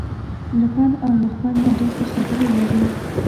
له پند او له خوند نه ډکې خبرې لري.